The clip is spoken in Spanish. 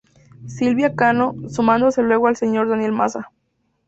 Silvia Cano, sumándose luego el señor Daniel Mazza.